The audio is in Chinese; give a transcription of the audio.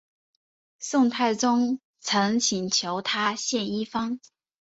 宋太宗曾请求他献医方。